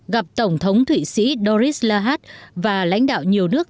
gặp tổng thống thụy sĩ doris lahad và lãnh đạo nhiều nước